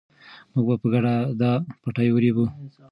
موږ به په ګډه دا پټی ورېبو.